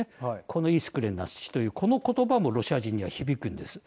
このイースクリンノスチという言葉もロシア人には響くんです。